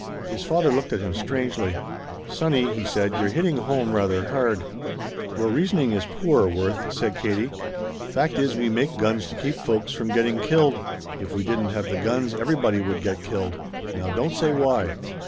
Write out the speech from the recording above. His father looked at him strangely. "Sonny," he said, "you're hitting home rather hard." "Your reasoning is poor, Worth," said Katie; "fact is we make guns to keep folks from getting killed. If we didn't have the guns everybody would get killed. Now don't say 'why.'"